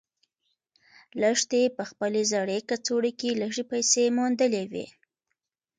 لښتې په خپلې زړې کڅوړې کې لږې پیسې موندلې وې.